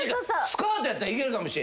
スカートやったらいけるかもしれん。